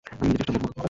আমি নিজে চেষ্টা দেখব।